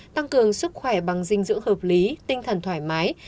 tăng cường sức khỏe bằng dinh dưỡng hợp lý tinh thần thoải mái